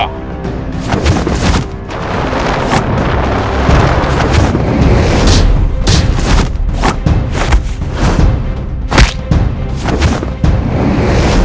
kamu harus berhenti menyerangku